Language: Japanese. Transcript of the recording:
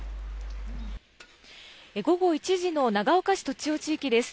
午後１時の長岡市栃尾地域です。